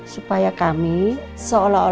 supaya kami seolah olah